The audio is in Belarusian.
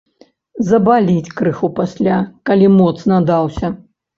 Забаліць крыху пасля, калі моцна даўся.